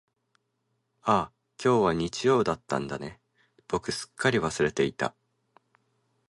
ああ、今日は日曜だったんだね、僕すっかり忘れていた。